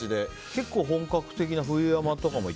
結構、本格的な冬山とかも？